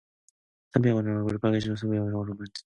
선비 어머니는 얼굴이 빨개지며 선비의 손을 어루만진다.